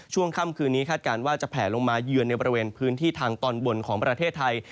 ช่วงค่ำคืนนี้คาดการณ์ว่าจะแผลลงมาเยือนในบริเวณพื้นที่ทางตอนบนของประเทศไทย